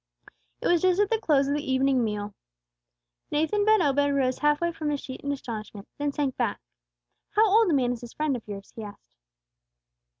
It was just at the close of the evening meal. Nathan ben Obed rose half way from his seat in astonishment, then sank back. "How old a man is this friend of yours?" he asked.